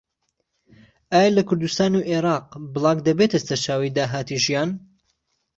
ئایا لە کوردستان و عێراق بڵاگ دەبێتە سەرچاوەی داهاتی ژیان؟